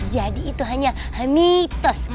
jadi itu hanya mitos